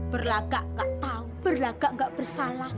berlagak gak tahu berlagak gak bersalah